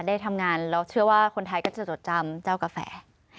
ได้ทำงานแล้วเชื่อว่าคนไทยก็จะจดจำเจ้ากาแฟ